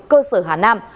cơ sở hà nam